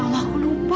ya allah aku lupa